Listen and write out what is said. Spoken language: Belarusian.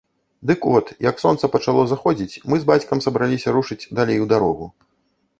Дык от, як сонца пачало заходзіць, мы з бацькам сабраліся рушыць далей у дарогу.